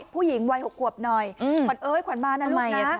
ผู้หญิงวัย๖ขวบหน่อยขวัญเอ้ยขวัญมานะลูกนะ